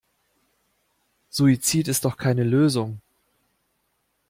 Suizid ist doch keine Lösung.